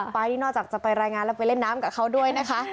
ไปนี่นอกจากจะไปรายงานแล้วไปเล่นน้ำกับเขาด้วยนะคะ